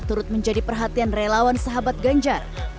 turut menjadi perhatian relawan sahabat ganjar